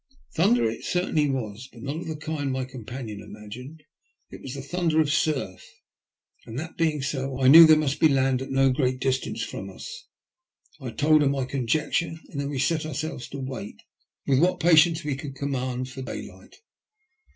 Thunder it certainly was, but not of the kind my com panion imagined. It was the thunder of surf, and that being so, I knew there must be land at no great distance from us. I told her my conjecture, and then we set ourselves to wait, with what patience we could command, for daylight.